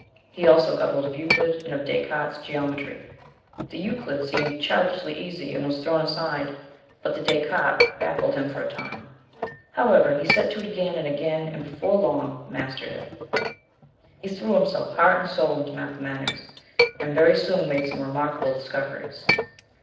He also got hold of a Euclid and of Descartes's Geometry. The Euclid seemed childishly easy, and was thrown aside, but the Descartes baffled him for a time. However, he set to it again and again and before long mastered it. He threw himself heart and soul into mathematics, and very soon made some remarkable discoveries.